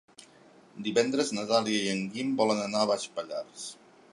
Divendres na Dàlia i en Guim volen anar a Baix Pallars.